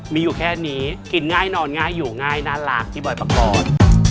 มีอยู่แค่นี้กินง่ายนอนง่ายอยู่ง่ายน่ารักพี่บอยปกรณ์